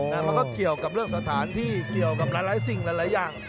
มันก็เกี่ยวกับเรื่องสถานที่เกี่ยวกับหลายสิ่งหลายอย่าง